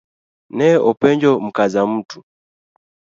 Ne openjo Mkazamtu